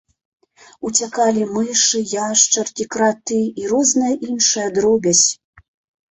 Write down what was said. Уцякалі мышы, яшчаркі, краты і розная іншая дробязь.